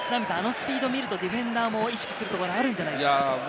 あのスピードを見るとディフェンダーも意識するところがあるんじゃないですか。